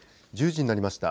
１０時になりました。